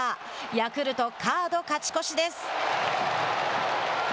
ヤクルト、カード勝ち越しです。